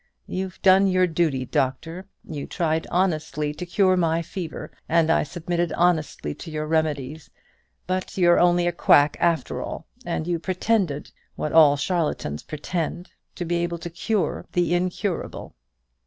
You've done your duty, doctor: you tried honestly to cure my fever, and I submitted honestly to your remedies: but you're only a quack, after all: and you pretended what all charlatans pretend to be able to cure the incurable."